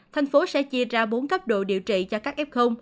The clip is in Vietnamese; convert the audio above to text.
thành phố sẽ chia ra bốn cấp độ điều trị cho các f